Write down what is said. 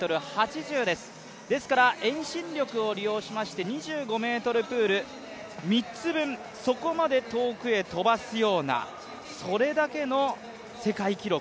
ですから、遠心力を利用しまして２５ｍプール、３つ分、そこまで遠くへ飛ばすようなそれだけの世界記録。